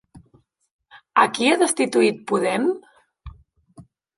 A qui ha destituït Podem?